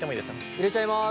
入れちゃいます。